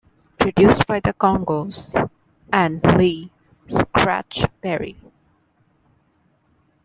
Produced by The Congos and Lee "Scratch" Perry.